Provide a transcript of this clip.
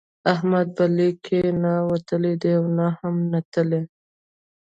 احمد به لیک کې نه وتلی دی او نه هم نتلی.